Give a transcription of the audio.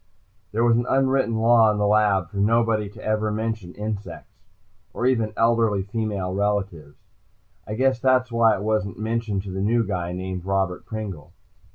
There was an unwritten law in the lab for nobody ever to mention insects, or even elderly female relatives. I guess that was why it wasn't mentioned to the new guy, name of Robert Pringle.